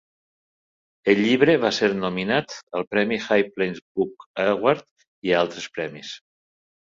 El llibre va ser nominat al premi High Plains Book Award i a altres premis.